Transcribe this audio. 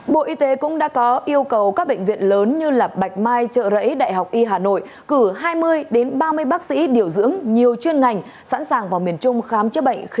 bộ y tế cũng đã có yêu cầu các bệnh viện lớn như bạch mai trợ rẫy đại học y hà nội cử hai mươi ba mươi bác sĩ điều dưỡng nhiều chuyên ngành sẵn sàng vào miền trung khám chữa bệnh